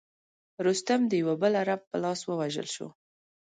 رستم د یوه بل عرب په لاس ووژل شو.